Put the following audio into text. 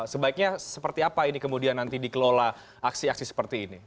sebaiknya seperti apa ini kemudian nanti dikelola aksi aksi seperti ini